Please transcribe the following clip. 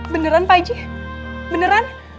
beneran pak eji beneran